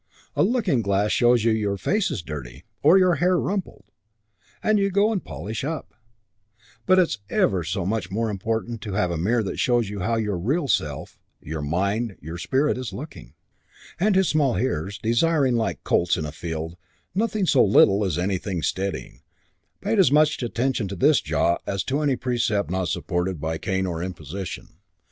A looking glass shows you your face is dirty or your hair rumpled, and you go and polish up. But it's ever so much more important to have a mirror that shows you how your real self, your mind, your spirit, is looking. Just see if you can't do it. A little scrap. It's very steadying; very steadying...." And his small hearers, desiring, like young colts in a field, nothing so little as anything steadying, paid as much attention to this "jaw" as to any precept not supported by cane or imposition.